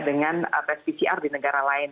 dengan tes pcr di negara lain